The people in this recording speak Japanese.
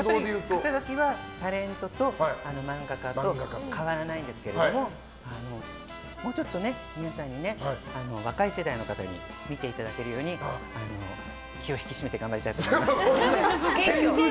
肩書はタレントと漫画家と変わらないんですけれどももうちょっと皆さん若い世代の方に見ていただけるように気を引き締めて頑張りたいと思います。